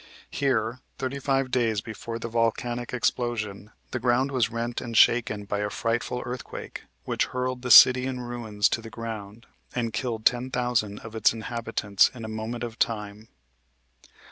Here, thirty five days before the volcanic explosion, the ground was rent and shaken by a frightful earthquake which hurled the city in ruins to the ground and killed ten thousand of its inhabitants in a moment of time.